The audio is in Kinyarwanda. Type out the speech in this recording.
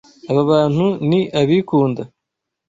Aba bantu ni abikunda.